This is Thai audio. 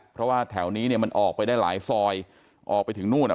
เพราะว่าแถวนี้เนี่ยมันออกไปได้หลายซอยออกไปถึงนู่นอ่ะ